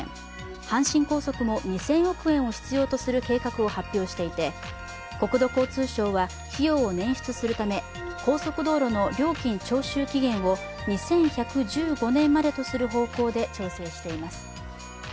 阪神高速も２０００億円を必要とする計画を発表していて国土交通省は費用を捻出するため高速道路の料金徴収期限を２１１５年までとする方向で調整しています。